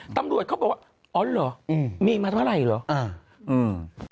ตำรวจเขาบอกว่าอ๋อเหรอมีมาเท่าไหร่หรือ